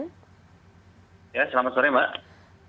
ya selamat sore mbak